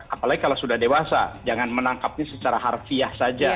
apalagi kalau sudah dewasa jangan menangkapnya secara harfiah saja